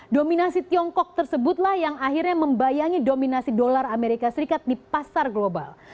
dominasi tiongkok tersebutlah yang akhirnya membayangi dominasi dolar amerika serikat di pasar global